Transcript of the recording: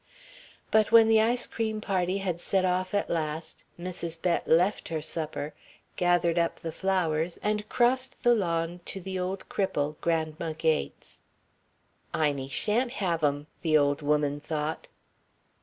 But when the ice cream party had set off at last, Mrs. Bett left her supper, gathered up the flowers, and crossed the lawn to the old cripple, Grandma Gates. "Inie sha'n't have 'em," the old woman thought.